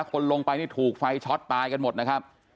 คนลงไปนี่ถูกไฟช็อตตายกันหมดนะครับ